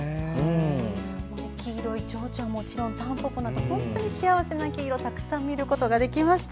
黄色いチョウチョはもちろん、たんぽぽも本当に幸せな黄色をたくさん見れました。